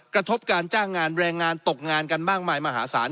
กระทบการจ้างงานแรงงานตกงานกันมากมายมหาศาล